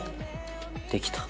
できた。